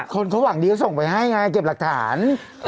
คนเขาหวังดีก็ส่งไปให้ไงเก็บหลักฐาน